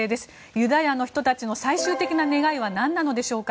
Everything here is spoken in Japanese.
ユダヤの人たちの最終的な願いは何なのでしょうか？